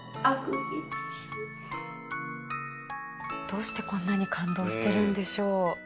どうしてこんなに感動しているんでしょう？